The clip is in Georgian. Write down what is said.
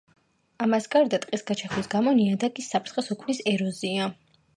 ამას გარდა ტყის გაჩეხვის გამო ნიადაგს საფრთხეს უქმნის ეროზია.